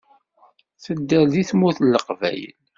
Tedder deg Tmurt n Leqbayel.